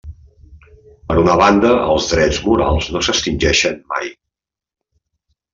Per una banda, els drets morals no s'extingeixen mai.